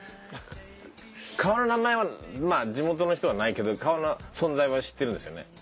川の名前はまあ地元の人はないけど川の存在は知ってるんですよね？